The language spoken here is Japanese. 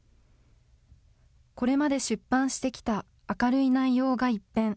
これまで出版してきた明るい内容が一変。